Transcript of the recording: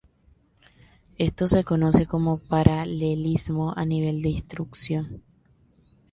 Esto se conoce como paralelismo a nivel de instrucción.